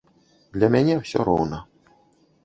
Для мяне ўсё роўна.